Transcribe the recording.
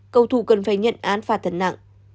cầu thủ cần phải nhận án phạt thật nặng